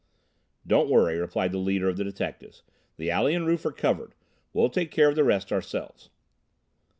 "Don't worry," replied the leader of the detectives. "The alley and roof are covered. We'll take care of the rest ourselves."